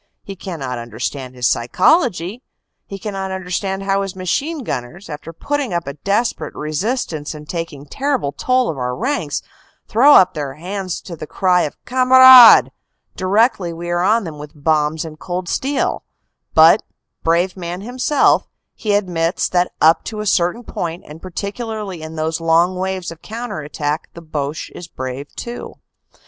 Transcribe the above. He cannot understand his psychology; he can not understand how his machine gunners, after putting up a desperate resistance and taking terrible toll of our ranks, throw up their hands to the cry of "Kamerad" directly we are on them with bombs and cold steel; but, brave man himself, he admits that up to a certain point and particularly in those long waves of counter attack the Boche is brave too.